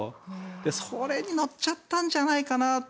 それに乗っちゃったんじゃないかなと。